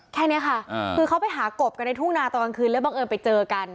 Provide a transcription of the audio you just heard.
แค่นี้ค่ะคือเขาไปหากบกันในทุ่งนาตอนกลางคืนแล้วบังเอิญไปเจอกัน